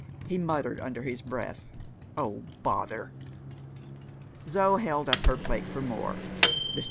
He muttered under his breath, "Oh, bother!" Zo held out her plate for more. Mr.